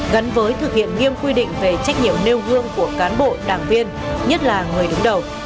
gắn với thực hiện nghiêm quy định về trách nhiệm nêu gương của cán bộ đảng viên nhất là người đứng đầu